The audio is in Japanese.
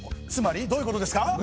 つまりどういうことですか？